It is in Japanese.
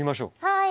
はい。